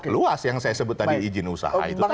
luas yang saya sebut tadi izin usaha itu tadi